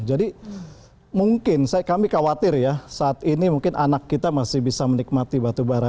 jadi mungkin kami khawatir ya saat ini mungkin anak kita masih bisa menikmati batubara